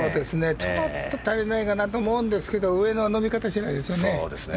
ちょっと足りないかなと思うんですけど上の伸び方次第ですよね。